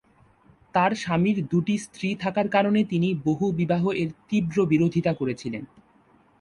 তার স্বামীর দুটি স্ত্রী থাকার কারণে তিনি বহুবিবাহ এর তীব্র বিরোধিতা করেছিলেন।